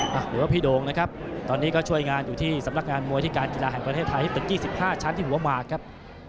หรือว่าพี่โด่งนะครับตอนนี้ก็ช่วยงานอยู่ที่สำนักงานมวยที่การกีฬาแห่งประเทศไทยที่เป็นตึก๒๕ชั้นที่หัวหมากครับ